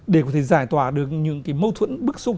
để có thể giải tỏa được những mâu thuẫn bức xúc